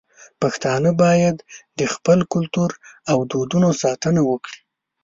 پښتانه بايد د خپل کلتور او دودونو ساتنه وکړي.